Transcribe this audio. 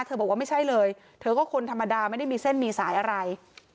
บอกว่าไม่ใช่เลยเธอก็คนธรรมดาไม่ได้มีเส้นมีสายอะไร